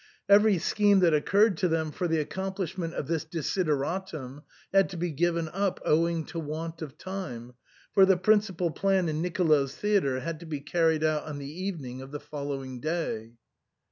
Every scheme that occurred to them for the accomplishment of this desideratum had to be given up owing to want of time, for the principal plan in Nicolo's theatre had to be carried out on the evening of the fol lowing day.